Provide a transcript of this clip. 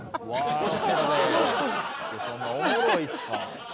そんなおもろいっすか？